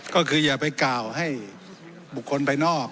ก็คืออย่าไปกล่าวให้บุคคลภายนอก